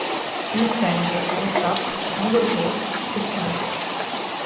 Messenger, Whatsapp, Google Talk e Skype.